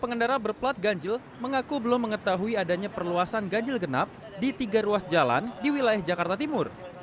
pengendara berplat ganjil mengaku belum mengetahui adanya perluasan ganjil genap di tiga ruas jalan di wilayah jakarta timur